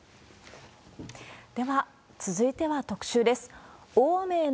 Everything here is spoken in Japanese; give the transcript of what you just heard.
では、続いては特集です。